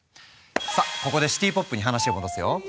さあここでシティ・ポップに話を戻すよ。